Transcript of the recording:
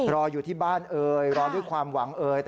รออยู่ที่บ้านเอ่ยรอด้วยความหวังเอ่ย